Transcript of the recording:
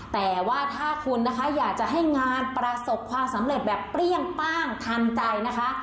แต่ว่าถ้าคุณนะคะอยากจะให้งานประสบความสำเร็จแบบเปรี้ยงป้างทันใจนะคะ